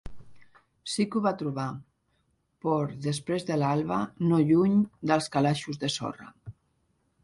Sí que ho va trobar, por després de l'alba, no lluny dels calaixos de sorra.